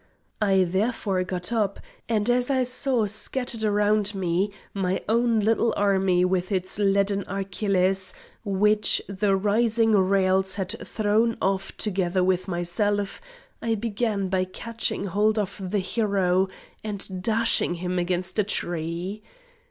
I therefore got up, and as saw scattered around me, my own little army with its leaden Achilles, which the rising rails had thrown off together with myself, I began by catching hold of the hero, and dashing him against a tree.